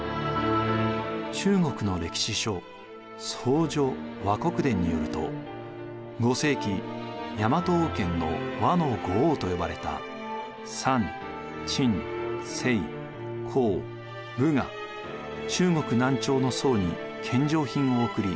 中国の歴史書「宋書」倭国伝によると５世紀大和王権の倭の五王と呼ばれた讃珍済興武が中国南朝の宋に献上品を贈り